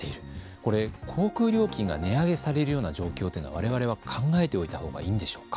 これ、航空料金が値上げされるような状況というのは我々は考えておいたほうがいいんでしょうか。